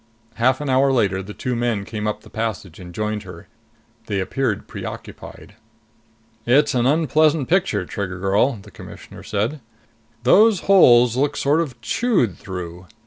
Half an hour later, the two men came up the passage and joined her. They appeared preoccupied. "It's an unpleasant picture, Trigger girl," the Commissioner said. "Those holes look sort of chewed through.